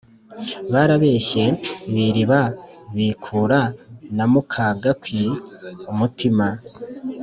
byarabeshye, biriba, bikura na muka gakwi umutima